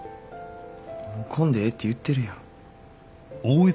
もう来んでええって言ってるやん。